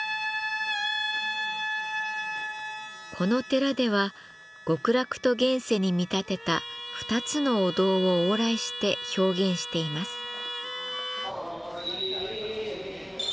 この寺では極楽と現世に見立てた２つのお堂を往来して表現しています。